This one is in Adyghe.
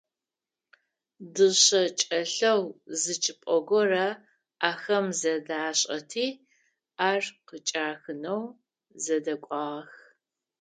Дышъэ чӀэлъэу зы чӀыпӀэ горэ ахэм зэдашӀэти, ар къычӀахынэу зэдэкӀуагъэх.